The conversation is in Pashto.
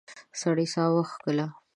سړی ساه وکیښله.